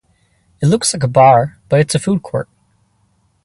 It looks like a bar but it's a food court.